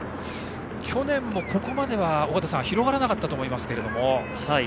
去年も、ここまでは尾方さん、広がらなかったと思いますけれども。